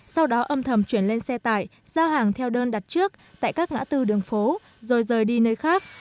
sau đó âm thầm chuyển lên xe tải giao hàng theo đơn đặt trước tại các ngã tư đường phố rồi rời đi nơi khác